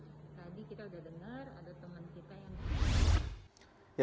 tadi kita udah dengar ada teman kita yang